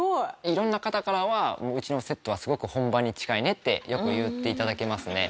色んな方からはうちのセットはすごく本番に近いねってよく言って頂けますね。